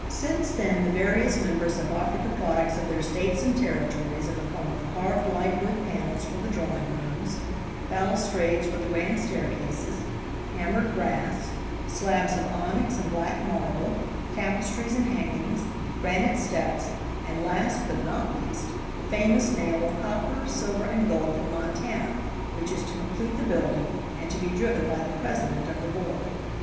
Since then the various members have offered the products of their States and Territories in the form of carved light wood panels for the drawing rooms, balustrades for the grand staircases, hammered brass, slabs of onyx and black marble, tapestries and hangings, granite steps, and last, but not least, the famous nail of copper, silver and gold from Montana, which is to complete the building, and to be driven by the President of the Board.